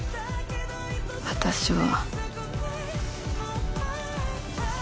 私は。